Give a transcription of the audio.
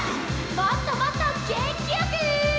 もっともっとげんきよく！